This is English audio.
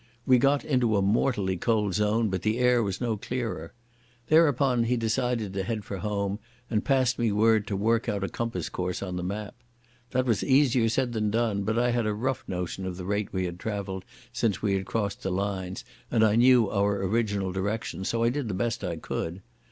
We got into a mortally cold zone, but the air was no clearer. Thereupon he decided to head for home, and passed me word to work out a compass course on the map. That was easier said than done, but I had a rough notion of the rate we had travelled since we had crossed the lines and I knew our original direction, so I did the best I could.